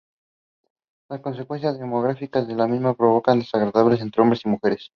Las consecuencias demográficas de la misma provocan un desbalance entre mujeres y hombres.